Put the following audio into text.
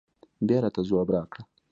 بيا راته ځواب راکړه